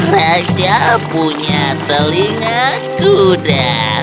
raja punya telinga kuda